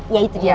iya itu dia